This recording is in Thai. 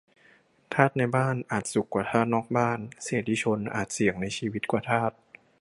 - ทาสในบ้านอาจสุขกว่าทาสนอกบ้าน เสรีชนอาจเสี่ยงในชีวิตกว่าทาส